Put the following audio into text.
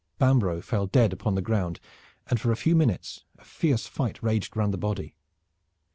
Bambro' fell dead upon the ground and for a few minutes a fierce fight raged round his body.